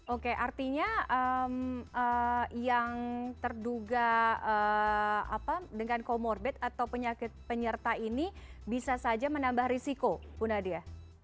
oke artinya yang terduga dengan comorbid atau penyakit penyerta ini bisa saja menambah risiko bu nadia